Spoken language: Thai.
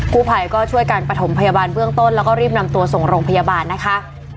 ผู้ภัยก็ช่วยกันประถมพยาบาลเบื้องต้นแล้วก็รีบนำตัวส่งโรงพยาบาลนะคะ